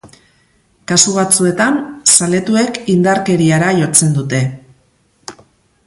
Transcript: Kasu batzuetan, zaletuek indarkeriara jotzen dute.